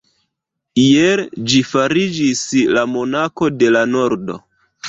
Iel ĝi fariĝis la Monako de la Nordo.